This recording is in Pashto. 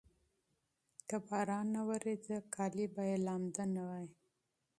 که باران نه وریده، جامې به یې لمدې نه وای.